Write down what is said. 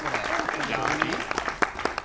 ジャージ？